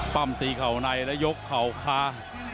ปั้มตีเข่าในและยกเข่าคา